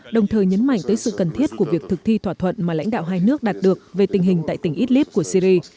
đồng thời nhấn mạnh tới sự cần thiết của việc thực thi thỏa thuận mà lãnh đạo hai nước đạt được về tình hình tại tỉnh idlib của syri